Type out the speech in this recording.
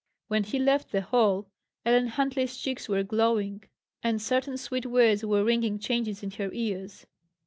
When he left the hall, Ellen Huntley's cheeks were glowing, and certain sweet words were ringing changes in her ears.